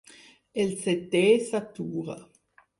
El setè s'atura.